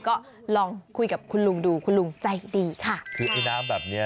ก็ลองคุยกับคุณลุงดูคุณลุงใจดีค่ะคือไอ้น้ำแบบเนี้ย